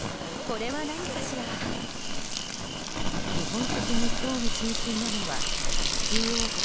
日本食に興味津々なのはスキー王国